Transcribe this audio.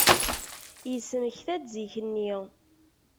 Yesmekta-d zik-nni.